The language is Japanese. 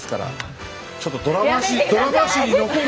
ちょっとドラマ史に残る。